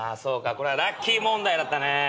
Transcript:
これはラッキー問題だったね。